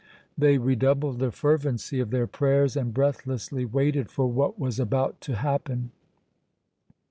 They redoubled the fervency of their prayers and breathlessly waited for what was about to happen.